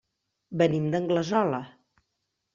Venim d'Anglesola.